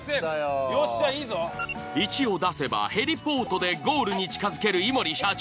１を出せばヘリポートでゴールに近づけるいもり社長。